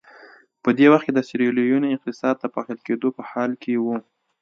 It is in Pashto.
په دې وخت کې د سیریلیون اقتصاد د پاشل کېدو په حال کې و.